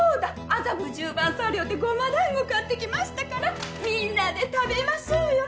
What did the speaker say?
麻布十番茶寮で胡麻団子買ってきましたからみんなで食べましょうよ。